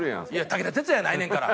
武田鉄矢やないねんから。